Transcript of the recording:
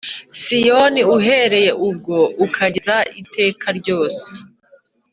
Siyoni uhereye ubwo ukageza iteka ryose